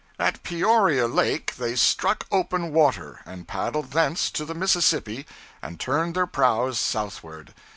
At Peoria Lake they struck open water, and paddled thence to the Mississippi and turned their prows southward.